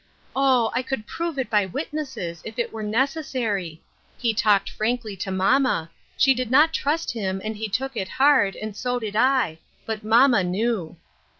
Oh ! I could prove it by witnesses if it were necessary. He talked frankly to mamma; she did not trust him, and he took it hard, and so did I ; but mamma knew."